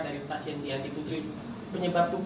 dari pasien yang dikutip